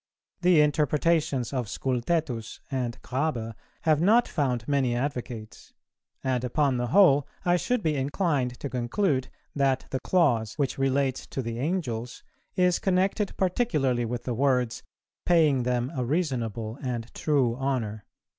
The interpretations of Scultetus and Grabe have not found many advocates; and upon the whole I should be inclined to conclude, that the clause, which relates to the Angels, is connected particularly with the words, 'paying them a reasonable and true honour.'"